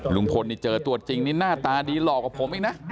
ลุงพลนี่เจอตัวจริงนี่หน้าตาดีหล่อกว่าผมอีกนะ